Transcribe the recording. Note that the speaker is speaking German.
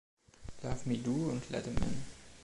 „Love Me Do“ und „Let 'em In“.